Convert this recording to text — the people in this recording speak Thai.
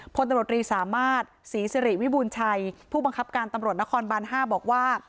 พลตำรวจรีสามารถศรีสิริวิบูรณ์ชัยผู้บังคับการตำรวจนครบาน๕บอกว่า